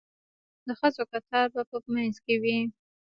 د ښځو کتار به په منځ کې وي.